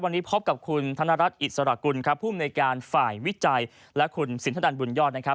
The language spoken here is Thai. วันนี้พบกับคุณธนรัฐอิสระกุลครับภูมิในการฝ่ายวิจัยและคุณสินทนันบุญยอดนะครับ